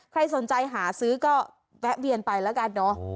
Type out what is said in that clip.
ใครสนใจหาซื้อก็แวะเวียนไปแล้วกันเนอะ